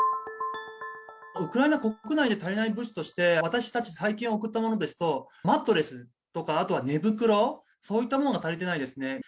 ウクライナ国内で足りない物資として、私たち、最近送ったものですと、マットレスとか、あとは寝袋、そういったものが足りてないですね。